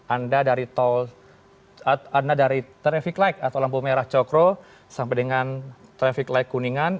anda dari traffic light atau lampu merah cokro sampai dengan traffic light kuningan